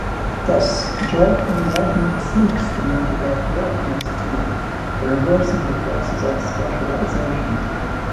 Thus, job enlargement seeks to motivate workers through reversing the process of specialisation.